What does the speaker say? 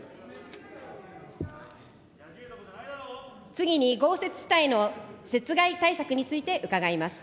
次に豪雪地帯の雪害対策について伺います。